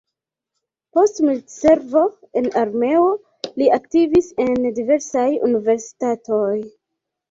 Post militservo en armeo, li aktivis en diversaj universitatoj.